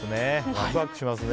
ワクワクしますね。